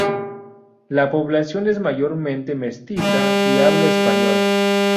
La población es mayormente mestiza y habla español.